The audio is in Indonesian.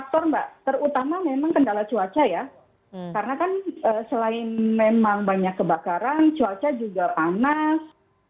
faktor mbak terutama memang kendala cuaca ya karena kan selain memang banyak kebakaran cuaca juga panas